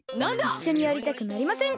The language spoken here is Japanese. いっしょにやりたくなりませんか？